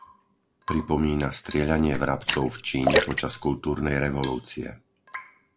Pripomína strieľanie vrabcov v Číne počas Kultúrnej revolúcie.